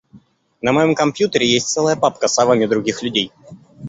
На моём компьютере есть целая папка с авами других людей.